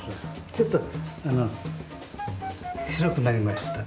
ちょっと白くなりました。